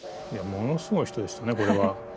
ものすごい人でしたねこれは。